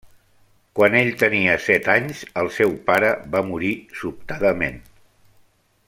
Quan ell tenia set anys, el seu pare va morir sobtadament.